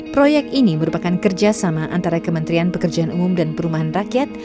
proyek ini merupakan kerjasama antara kementerian pekerjaan umum dan perumahan rakyat